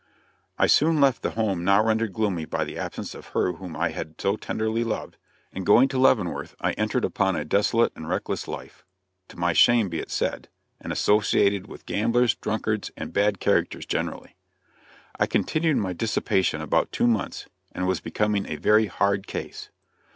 I soon left the home now rendered gloomy by the absence of her whom I had so tenderly loved, and going to Leavenworth I entered upon a dissolute and reckless life to my shame be it said and associated with gamblers, drunkards, and bad characters generally. I continued my dissipation about two months, and was becoming a very "hard case."